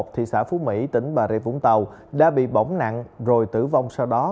thị xã phú mỹ tỉnh bà rịa vũng tàu đã bị bỏng nặng rồi tử vong sau đó